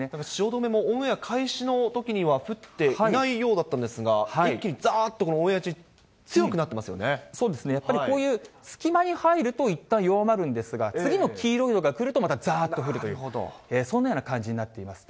汐留もオンエア開始のときは降っていないようだったんですが、一気にざーっとこのオンエア中にそうですね、やっぱりこういう隙間に入るといったん弱まるんですが、次の黄色いのが来るとざーっと降ると、そんなように感じになっています。